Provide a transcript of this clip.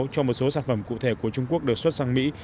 cho một số sản phẩm cụ thể của trung quốc được xuất sang mỹ